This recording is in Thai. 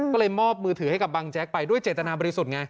ก็เลยมอบมือถือให้กับบังแจ๊กไปด้วยเจตนาบริสุทธิ์ไง